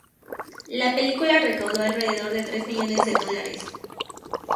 La película recaudó alrededor de tres millones de dólares.